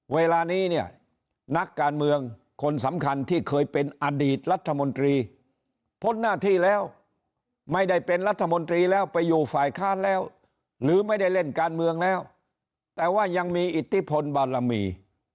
เวลานี้เนี่ยนักการเมืองคนสำคัญที่เคยเป็นอดีตรัฐมนตรีพ้นหน้าที่แล้วไม่ได้เป็นรัฐมนตรีแล้วไปอยู่ฝ่ายค้านแล้วหรือไม่ได้เล่นการเมืองแล้วแต่ว่ายังมีอิทธิพลบารมี